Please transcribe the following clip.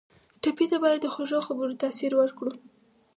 ټپي ته باید د خوږو خبرو تاثیر ورکړو.